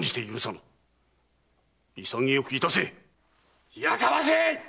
潔くいたせ‼やかましい！